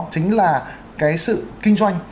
chính là cái sự kinh doanh